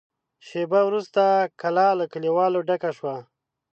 شېبه وروسته کلا له کليوالو ډکه شوه.